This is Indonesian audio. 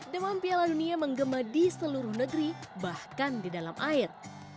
demam piala dunia menggema di seluruh negeri bahkan di dalam air